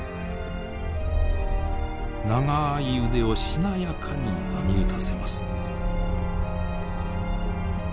長い腕をしなやかに波打たせます。